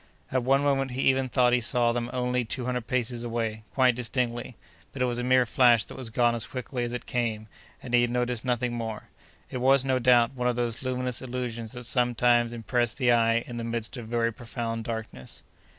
At one moment he even thought that he saw them only two hundred paces away, quite distinctly, but it was a mere flash that was gone as quickly as it came, and he noticed nothing more. It was, no doubt, one of those luminous illusions that sometimes impress the eye in the midst of very profound darkness.